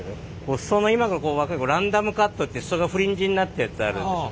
裾は今の若い子はランダムカットという裾がフリンジになってるやつあるでしょ。